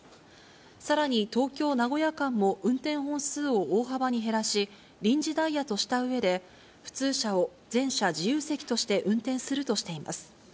さらに東京・名古屋間も運転本数を大幅に減らし、臨時ダイヤとしたうえで、普通車を全車自由席として運転するとしています。